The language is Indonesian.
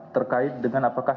terkait dengan apakah